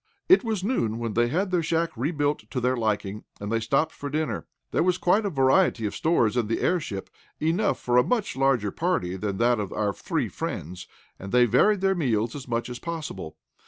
It was noon when they had their shack rebuilt to their liking, and they stopped for dinner. There was quite a variety of stores in the airship, enough for a much larger party than that of our three friends, and they varied their meals as much as possible.